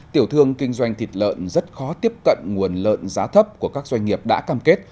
tiểu thương kinh doanh thịt lợn rất khó tiếp cận nguồn lợn giá thấp của các doanh nghiệp đã cam kết